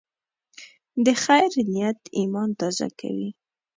د خیر نیت ایمان تازه کوي.